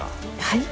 はい？